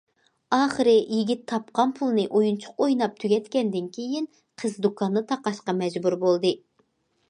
ئاخىرى يىگىت تاپقان پۇلنى ئويۇنچۇق ئويناپ تۈگەتكەندىن كېيىن، قىز دۇكاننى تاقاشقا مەجبۇر بولدى.